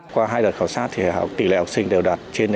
qua hai đợt khảo sát thì tỷ lệ học sinh đều đạt trên chín mươi